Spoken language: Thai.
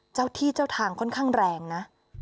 เจ้าที่เจ้าทางค่อนข้างแรงนะ